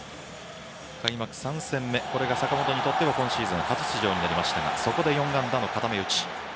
開幕３戦目、坂本にとっては今シーズン初出場になりましたがそこで４安打の固め打ち。